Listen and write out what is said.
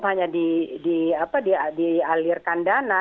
bukan hanya dialirkan dana